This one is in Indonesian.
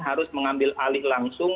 harus mengambil alih langsung